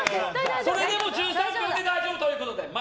それでも１３秒で大丈夫ということで。